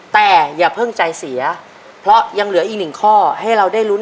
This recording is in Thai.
แต่อย่าเพิ่งใจเสียเพราะยังเหลืออีกหนึ่งข้อให้เราได้ลุ้น